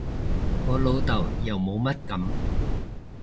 我老豆又冇乜噉